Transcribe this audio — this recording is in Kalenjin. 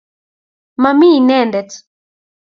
Ma mi ineendet.